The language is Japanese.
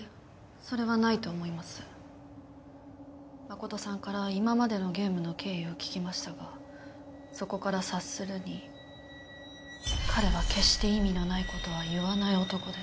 誠さんから今までのゲームの経緯を聞きましたがそこから察するに彼は決して意味のない事は言わない男です。